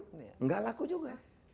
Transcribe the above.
tidak laku juga